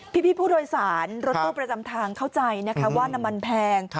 พี่ผู้โดยสารรถตู้ประจำทางเข้าใจนะคะว่าน้ำมันแพง